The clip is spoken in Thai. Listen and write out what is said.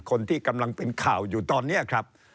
คนที่กำลังเป็นข่าวอยู่ตอนนี้ครับ